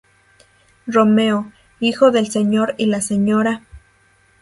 Romeo, hijo del Sr. y la Sra.